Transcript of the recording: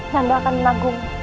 nanda akan menanggung